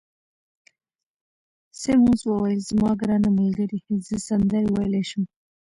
سیمونز وویل: زما ګرانه ملګرې، زه سندرې ویلای شم.